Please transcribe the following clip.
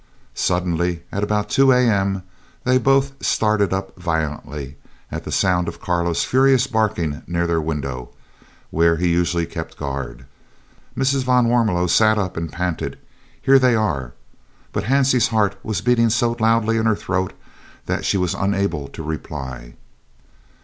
Suddenly at about 2 a.m. they both started up violently, at the sound of Carlo's furious barking near their window, where he usually kept guard. Mrs. van Warmelo sat up and panted "Here they are," but Hansie's heart was beating so loudly in her throat that she was unable to reply.